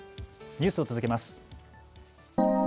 ニュースを続けます。